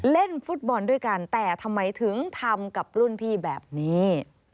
เล่นฟุตบอลด้วยกันแต่ทำไมถึงทำกับรุ่นพี่แบบนี้